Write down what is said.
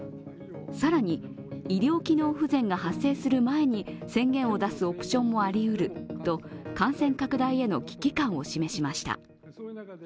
更に、医療機能不全が発生する前に宣言を出すオプションもありうると感染拡大への危機感を示しました。